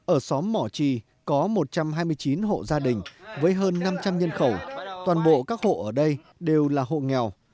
ở xóm mỏ trì có một trăm hai mươi chín hộ gia đình với hơn năm trăm linh nhân khẩu toàn bộ các hộ ở đây đều là hộ nghèo